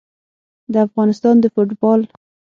د افغانستان د فوټبال